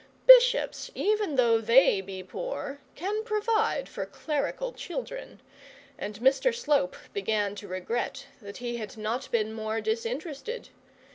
Bishops, even though they be poor, can provide for clerical children, and Mr Slope began to regret that he had not been more disinterested.